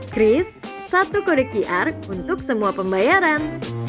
kris satu kode qr untuk semua pembayaran